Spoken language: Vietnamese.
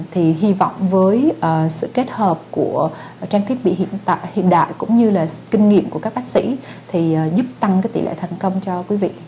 thì hy vọng với sự kết hợp của trang thiết bị hiện tại hiện đại cũng như là kinh nghiệm của các bác sĩ thì giúp tăng cái tỷ lệ thành công cho quý vị